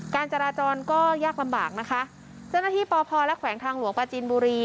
การจราจรก็ยากลำบากนะคะเจ้าหน้าที่ปพและแขวงทางหลวงประจีนบุรี